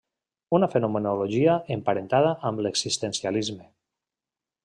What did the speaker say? Una fenomenologia emparentada amb l'existencialisme.